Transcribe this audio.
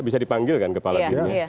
bisa dipanggil kan kepala bin